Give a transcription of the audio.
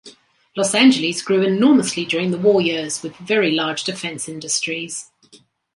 Los Angeles grew enormously during the war years, with very large defense industries.